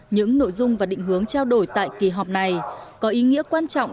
những nội dung và định hướng trao đổi tại kỳ họp này có ý nghĩa quan trọng